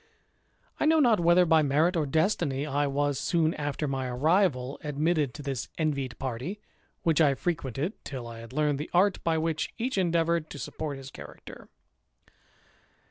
I know not whether by merit or destiny, I was, soon after iny arrival, admitted to this envied party, which I frequented till I had learned the art by which each endeavoured to support his character.